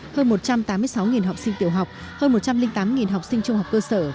hơn một trăm tám mươi sáu học sinh tiểu học hơn một trăm linh tám học sinh trung học cơ sở